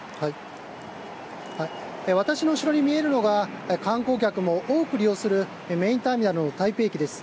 私の後ろに見えるのが観光客も多く利用するメインターミナルの台北駅です。